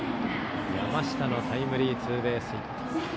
山下のタイムリーツーベースヒット。